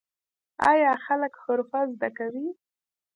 آیا خلک حرفه زده کوي؟